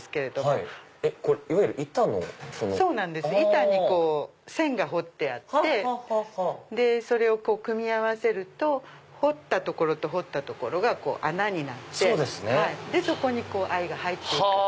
板に線が彫ってあってそれを組み合わせると彫った所と彫った所が穴になってそこに藍が入って行く。